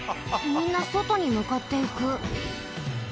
みんなそとにむかっていく。